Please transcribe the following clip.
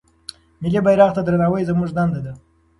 ملي بيرغ ته درناوی زموږ دنده ده.